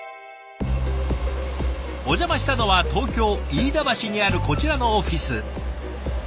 お邪魔したのは東京・飯田橋にあるこちらのオフィス。